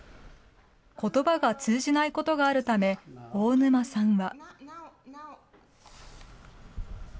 ことばが通じないことがあるため、大沼さんは。